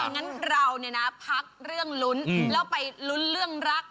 งั้นเราเนี่ยนะพักเรื่องลุ้นแล้วไปลุ้นเรื่องรัก